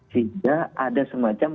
sehingga ada semacam